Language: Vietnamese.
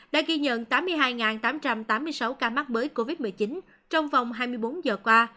đã ghi nhận tám mươi hai tám trăm tám mươi sáu ca mắc mới covid một mươi chín trong vòng hai mươi bốn giờ qua